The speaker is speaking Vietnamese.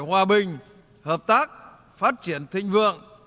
hòa bình hợp tác phát triển thịnh vượng